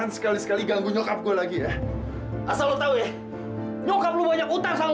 sampai jumpa di video selanjutnya